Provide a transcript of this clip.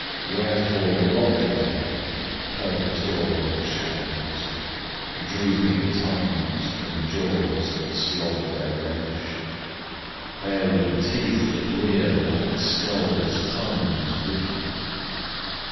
Wherefore rock they, purgatorial shadows, Drooping tongues from jaws that slob their relish, Baring teeth that leer like skulls' tongues wicked?